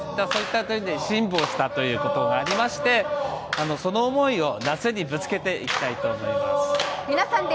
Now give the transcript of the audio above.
そういった点で辛抱したということがありまして、その思いを夏にぶつけていきたいと思います。